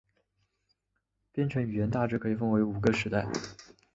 编程语言大致可以分为五个世代。